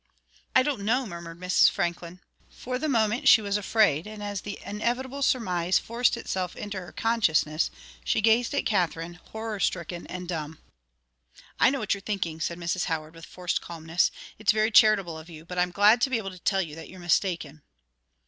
"I don't know," murmured Mrs. Franklin. For the moment she was afraid, and as the inevitable surmise forced itself into her consciousness, she gazed at Katherine, horror stricken and dumb. "I know what you're thinking," said Mrs. Howard, with forced calmness. "It's very charitable of you, but I'm glad to be able to tell you that you're mistaken."